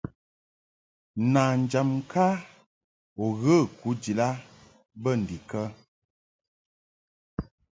Nanjam ŋka u ghə kujid a bə ndikə ?